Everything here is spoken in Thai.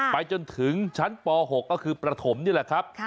ไปจนถึงชั้นป๖ก็คือประถมนี่แหละครับ